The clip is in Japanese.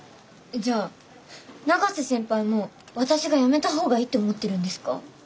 じゃあ永瀬先輩も私がやめた方がいいって思ってるんですか？